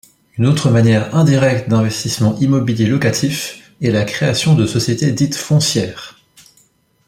Une autre manière indirecte d'investissement immobilier locatif est la création de sociétés dites Foncière.